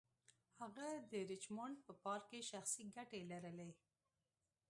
هغه د ریچمونډ په پارک کې شخصي ګټې لرلې.